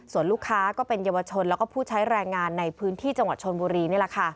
ส่วนลูกค้าก็จะเป็นเยี่ยวชนและผู้ใช้แรงงานในพื้นที่จังหวัดชนบุรี